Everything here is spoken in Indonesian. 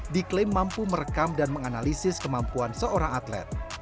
diklaim mampu merekam dan menganalisis kemampuan seorang atlet